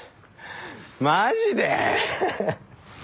マジで？